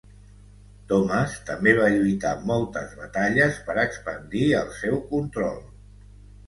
Thomas també va lluitar moltes batalles per expandir el seu control.